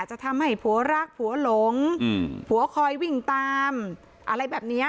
จะทำให้ผัวรักผัวหลงผัวคอยวิ่งตามอะไรแบบนี้